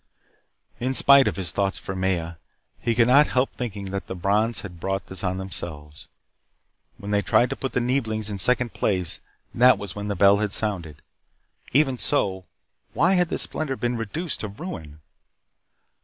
In spite of his thoughts for Maya, he could not help thinking that the Brons had brought this on themselves. When they tried to put the Neeblings in second place, that was when the bell had sounded. Even so, why had this splendor been reduced to ruin?